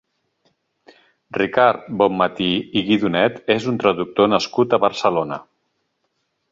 Ricard Bonmatí i Guidonet és un traductor nascut a Barcelona.